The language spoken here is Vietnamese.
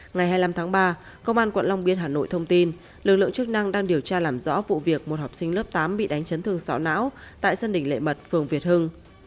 ngày hai mươi năm tháng ba công an quận long biên hà nội thông tin lực lượng chức năng đang điều tra làm rõ vụ việc một học sinh lớp tám bị đánh chấn thương sọ não tại sân đỉnh lệ mật phường việt hưng